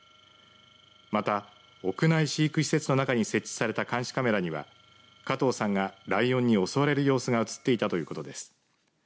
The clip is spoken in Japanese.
また、屋内飼育施設の中に設置された監視カメラには加藤さんがライオンに襲われる様子が映っていたということです。